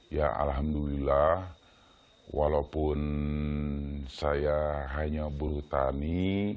ya alhamdulillah walaupun saya hanya buru tani